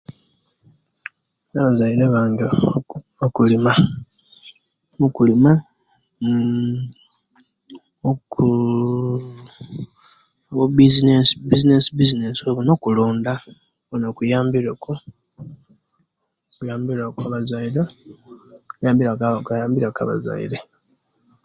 Abazaire bange okulima okulima mmm okuuuu mubizinesi bizinesi obwo nokulunda kwona kuyambire ku kuyambire ku abazaire kuyambire ku abazaire